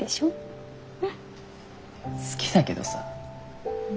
好きだけどさ。